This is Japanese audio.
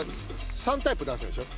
３タイプ出すんでしょ？